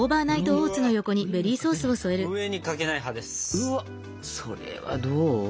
うわっそれはどう？